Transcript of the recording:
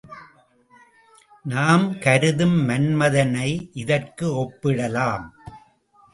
நாம் கருதும் மன்மதனை இதற்கு ஒப்பிடலாம்.